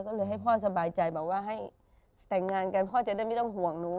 ก็เลยให้พ่อสบายใจบอกว่าให้แต่งงานกันพ่อจะได้ไม่ต้องห่วงหนู